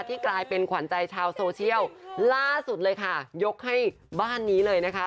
กลายเป็นขวัญใจชาวโซเชียลล่าสุดเลยค่ะยกให้บ้านนี้เลยนะคะ